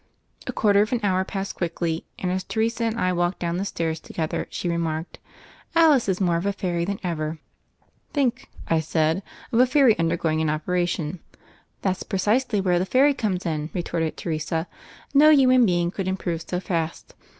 A quarter of an hour passed quickly, and as Teresa and I walked down the stairs to gether she remarked: "Alice is more of a fairy than ever." "Think," I said, "of a fairy undergoing an operation." "That's precisely where the fairy comes in," retorted Teresa. "No human being could im prove so fast.